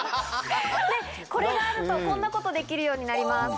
これがあるとこんなことできるようになります。